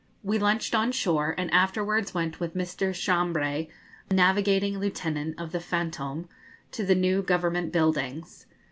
] We lunched on shore, and afterwards went with Mr. Chambré, navigating lieutenant of the 'Fantôme,' to the new Government buildings.